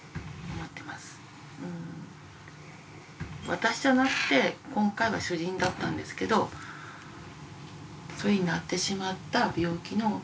私じゃなくて今回は主人だったんですけどそういうふうになってしまった病気の意味。